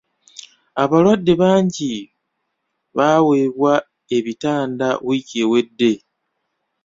Abalwadde bangi baaweebwa ebitanda wiiki ewedde.